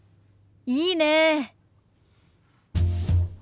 いいねえ。